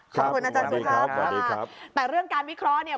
ขอบคุณอาจารย์สุภาพสวัสดีครับสวัสดีครับแต่เรื่องการวิเคราะห์เนี้ย